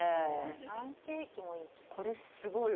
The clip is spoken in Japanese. パンケーキもいい。